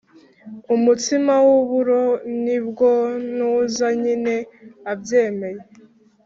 umutsima w’uburo. ni bwo ntuza nyine abyemeye,